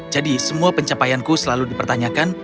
jadi semua pencapaianku selalu dipertanyakan